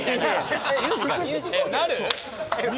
なる？